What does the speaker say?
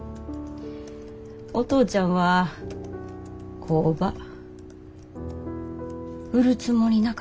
お父ちゃんは工場売るつもりなかった。